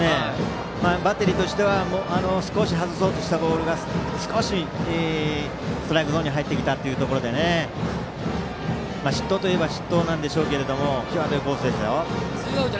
バッテリーとしては少し外そうとしたボールが少しストライクゾーンに入ってきたということで失投といえば失投ですが際どいコースです。